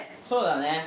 そうだね。